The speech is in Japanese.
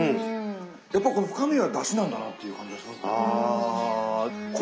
やっぱこの深みはだしなんだなぁっていう感じがしますね。